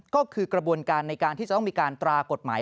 ก็คือกระบวนการในการที่จะต้องมีการตรากฎหมาย